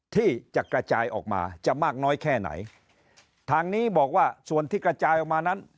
ที่จะกระจายออกมาจะมากน้อยแค่ไหนทางนี้บอกว่าส่วนที่กระจายออกมานั้น